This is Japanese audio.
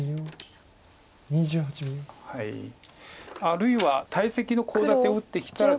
あるいは大石のコウ立てを打ってきたら。